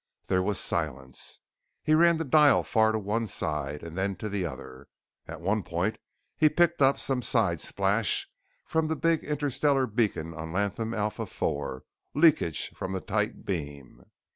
There was silence. He ran the dial far to one side, and then to the other. At one point he picked up some 'side splash' from the big interstellar beacon on Latham Alpha IV, leakage from the tight beam.